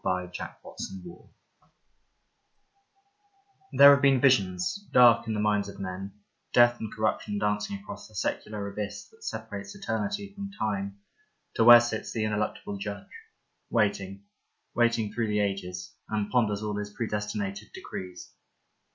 42 Leda LAST THINGS THERE have been visions, dark in the minds of men, death and corruption dancing across the secular abyss that separates eternity from time to where sits the ineluctable judge, waiting, wait ing through the ages, and ponders all his predestinated decrees.